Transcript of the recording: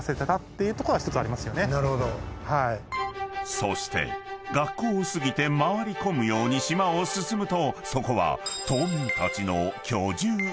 ［そして学校を過ぎて回り込むように島を進むとそこは島民たちの］